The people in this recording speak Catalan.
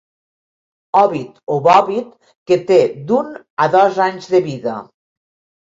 Òvid o bòvid que té d'un a dos anys de vida.